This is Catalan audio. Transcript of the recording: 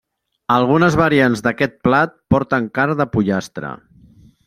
Algunes variants d'aquest plat porten carn de pollastre.